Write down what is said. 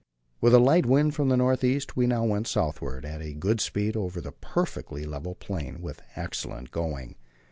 With a light wind from the north east, we now went southward at a good speed over the perfectly level plain, with excellent going.